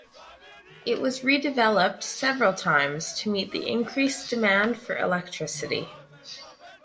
It was redeveloped several times to meet the increased demand for electricity.